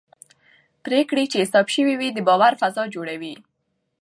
پرېکړې چې حساب شوي وي د باور فضا جوړوي